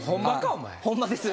ホンマです。